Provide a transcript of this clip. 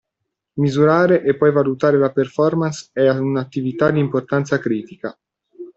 Misurare e poi valutare la performance è un'attività di importanza critica.